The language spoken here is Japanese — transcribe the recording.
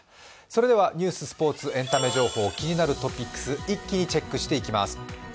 それではニュース、スポーツ、エンタメ情報、気になるトピックス、一気にチェックしていきます。